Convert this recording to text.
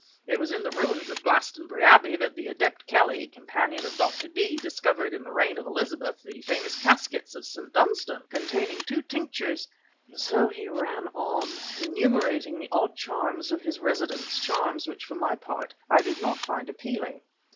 It was in the ruins of Glastonbury Abbey that the adept Kelly, companion of Dr. Dee, discovered, in the reign of Elizabeth, the famous caskets of St. Dunstan, containing the two tinctures..." So he ran on, enumerating the odd charms of his residence, charms which for my part I did not find appealing.